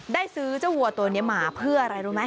ได้ซื้อเจ้าวัวตัวนี้มาเพื่ออะไรรู้ไหม